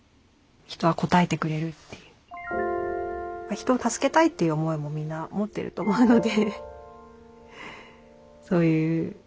人を助けたいという思いもみんな持ってると思うので。